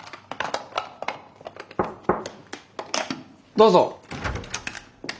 どうぞ。